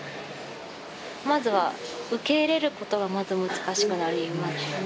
まずは受け入れることがまず難しくなりますね。